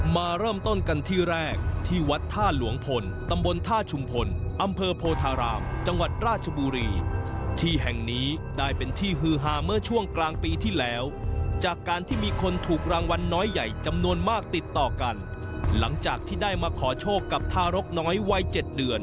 มาเริ่มต้นกันที่แรกที่วัดท่าหลวงพลตำบลท่าชุมพลอำเภอโพธารามจังหวัดราชบุรีที่แห่งนี้ได้เป็นที่ฮือหาเมื่อช่วงกลางปีที่แล้วจากการที่มีคนถูกรางวัลน้อยใหญ่จำนวนมากติดต่อกันหลังจากที่ได้มาขอโชคกับท่าหลวงพลตำบลท่าชุมพลอำเภอโพธารามจังหวัดราชบุรีที่แห่งนี้ได้เป็นท